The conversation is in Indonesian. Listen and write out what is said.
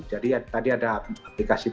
jadi tadi ada aplikasi